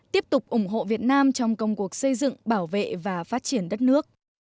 tiếp tục ủng hộ việt nam trong công cuộc xây dựng bảo vệ và phát triển đất nước